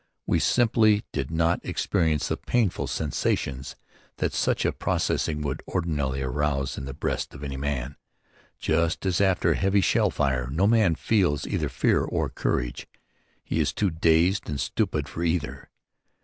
We simply did not experience the painful sensations that such a proceeding would ordinarily arouse in the breast of any man; just as after heavy shell fire no man feels either fear or courage; he is too dazed and stupid for either.